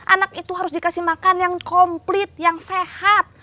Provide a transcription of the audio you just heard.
anak itu harus dikasih makan yang komplit yang sehat